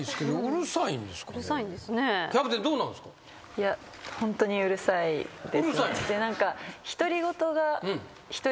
いやホントにうるさいですね。